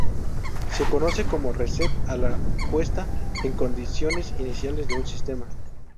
Se conoce como reset a la puesta en condiciones iniciales de un sistema.